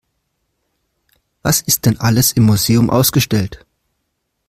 Was ist denn alles im Museum ausgestellt?